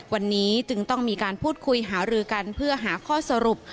วันนี้จึงต้องมีการพูดคุยหารือกันเพื่อหาข้อสรุป